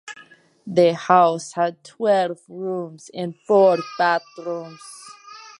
The house had twelve rooms and four bathrooms.